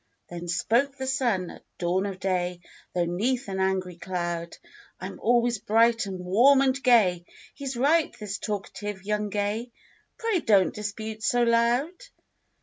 Then spoke the sun: "At dawn of day. Though 'neath an angry cloud, I'm always bright and warm and Gay. He's right, this talkative young Gay; Pray don't dispute so loud.